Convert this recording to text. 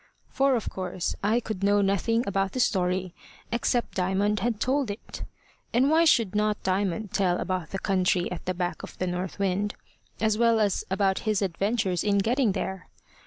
For of course I could know nothing about the story except Diamond had told it; and why should not Diamond tell about the country at the back of the north wind, as well as about his adventures in getting there?